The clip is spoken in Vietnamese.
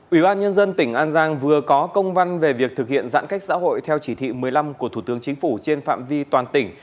ủy ban nhân dân tỉnh an giang vừa có công văn về việc thực hiện giãn cách xã hội theo chỉ thị một mươi năm của thủ tướng chính phủ trên phạm vi toàn tỉnh